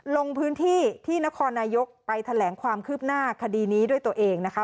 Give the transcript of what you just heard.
ลงพื้นที่ที่นครนายกไปแถลงความคืบหน้าคดีนี้ด้วยตัวเองนะคะ